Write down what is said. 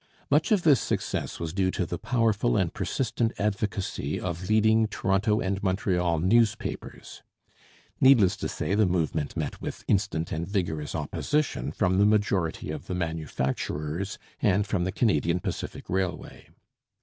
Much of this success was due to the powerful and persistent advocacy of leading Toronto and Montreal newspapers. Needless to say, the movement met with instant and vigorous opposition from the majority of the manufacturers and from the Canadian Pacific Railway.